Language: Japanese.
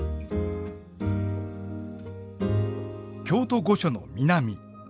京都御所の南。